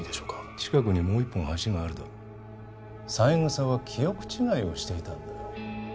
近くにもう一本橋があるだろ三枝は記憶違いをしていたんだよ